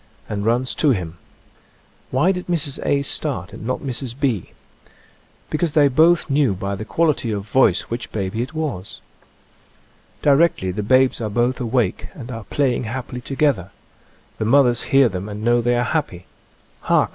and runs to him. Why did Mrs. A. start and not Mrs. B. ? Because they both knew by the quality of voice which baby it was. Di rectly the babes are both awake and are play ing happily together. The mothers hear them and know they are happy. Hark!